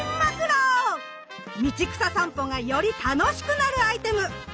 道草さんぽがより楽しくなるアイテム！